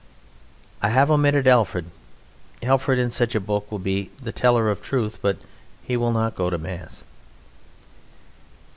I have omitted Alfred. Alfred in such a book will be the "teller of truth" but he will not go to Mass.